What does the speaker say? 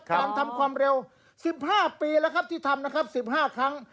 การทำความเร็ว๑๕ปีแล้วครับที่ทำนะครับ๑๕ครั้ง